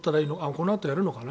このあとやるのかな？